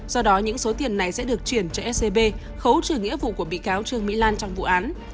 do đó những số tiền này sẽ được chuyển cho scb khấu trừ nghĩa vụ của bị cáo trương mỹ lan trong vụ án